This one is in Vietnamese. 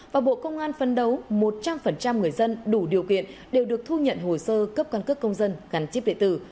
và bộ công an phân đấu một trăm linh người dân đủ điều kiện đều được thu nhận hồ sơ cấp căn cước công dân gắn chip địa tử